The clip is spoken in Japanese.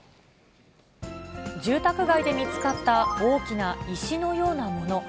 住宅街で見つかった大きな石のようなもの。